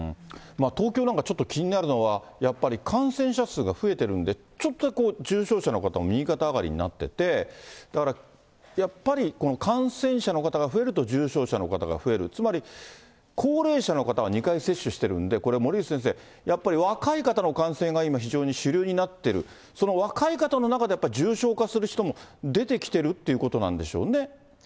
東京なんかちょっと気になるのは、やっぱり感染者数が増えてるんで、ちょっとだけ、重症者の方も右肩上がりになってて、だからやっぱり、感染者の方が増えると重症者の方が増える、つまり、高齢者の方が２回接種してるんで、これ森内先生、やっぱり若い方の感染が今、非常に主流になってる、その若い方の中で、重症化する人も出てきてるってことなんでしょうね。